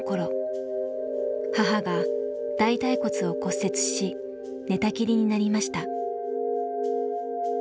母が大腿骨を骨折し寝たきりになりました。